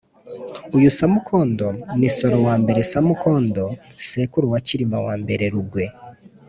uyu Samukondo ni Nsoro I Samukondo sekuru wa Cyilima I Rugwe.